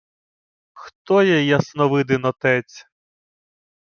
— Хто є Ясновидин отець?